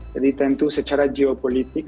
jadi tentu secara geopolitik